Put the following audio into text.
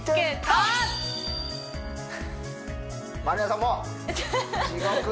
まりなさんも！